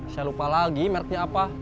saya lupa lagi merknya apa